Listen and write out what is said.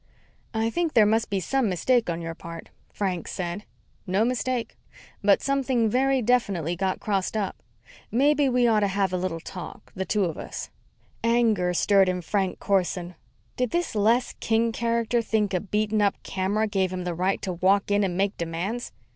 "I think there must be some mistake on your part," Frank said. "No mistake. But something very definitely got crossed up. Maybe we ought to have a little talk the two of us." Anger stirred in Frank Corson. Did this Les King character think a beaten up camera gave him the right to walk in and make demands.